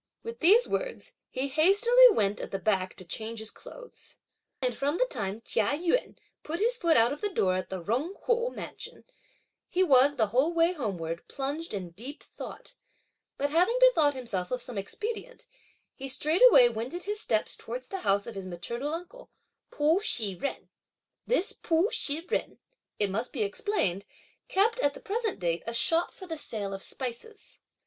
With these words, he hastily went at the back to change his clothes. And from the time Chia Yun put his foot out of the door of the Jung Kuo mansion, he was, the whole way homeward, plunged in deep thought; but having bethought himself of some expedient, he straightway wended his steps towards the house of his maternal uncle, Pu Shih jen. This Pu Shih jen, it must be explained, kept, at the present date, a shop for the sale of spices.